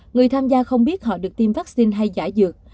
người tham gia không biết họ được tiêm vaccine hay giả dược